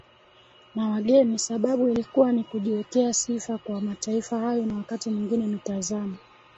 na wageni sababu ilikuwa ni kujiwekea sifa kwa mataifa hayo na wakati mwingine mitazamo